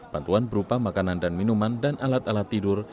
bantuan berupa makanan dan minuman dan alat alat tidur